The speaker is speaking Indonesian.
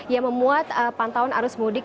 yang memuat pantauan arus mudik